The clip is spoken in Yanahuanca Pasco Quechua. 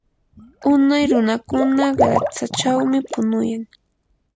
unay runakuna qaratsachawmi punuyan.